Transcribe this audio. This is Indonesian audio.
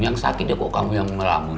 yang sakit ya kok kamu yang melamun